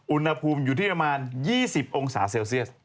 อุณหภูมิอยู่ที่ประมาณ๒๐องศาเซลเซียส